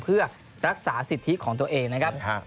เพื่อรักษาสิทธิของตัวเองนะครับ